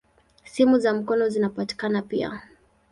Simu za mkono zinapatikana pia.